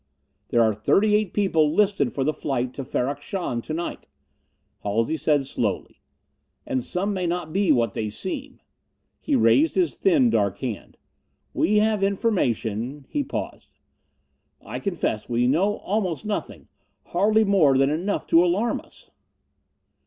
"There are thirty eight people listed for the flight to Ferrok Shahn to night," Halsey said slowly. "And some may not be what they seem." He raised his thin dark hand. "We have information " He paused. "I confess, we know almost nothing hardly more than enough to alarm us."